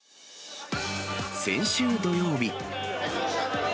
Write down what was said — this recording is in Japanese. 先週土曜日。